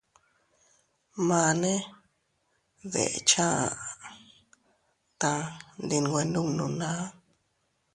Mane deʼecha aʼa taa ndi nwe ndubnuna.